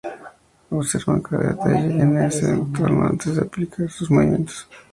Observan cada detalle en ese entorno antes de aplicar sus movimientos.